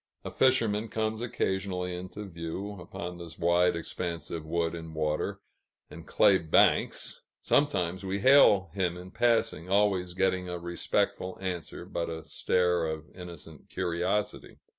A fisherman comes occasionally into view, upon this wide expanse of wood and water and clay banks; sometimes we hail him in passing, always getting a respectful answer, but a stare of innocent curiosity.